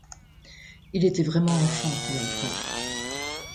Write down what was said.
Il était vraiment enfant, l'empereur !